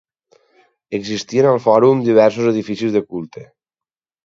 Existien al fòrum diversos edificis de culte.